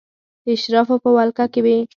د اشرافو په ولکه کې وې.